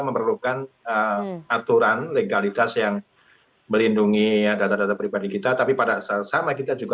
memerlukan aturan legalitas yang melindungi data data pribadi kita tapi pada saat sama kita juga